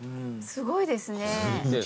すごいですね。